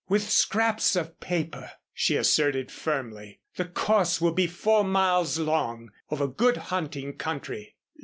"With scraps of paper," she asserted, firmly. "The course will be four miles long over good hunting country."